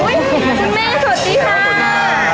อร่อยไหมชิมหน่อยค่ะ